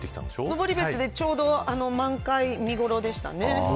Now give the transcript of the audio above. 登別でちょうど満開、見頃でした。